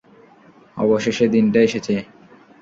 অবশেষে দিনটা এসেছে!